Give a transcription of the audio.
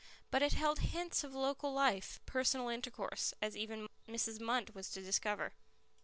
But it held hints of local life, personal intercourse, as even Mrs. Munt was to discover.